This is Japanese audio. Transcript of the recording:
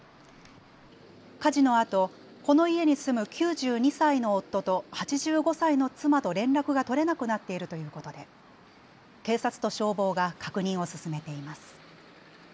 火事のあと、この家に住む９２歳の夫と８５歳の妻と連絡が取れなくなっているということで警察と消防が確認を進めています。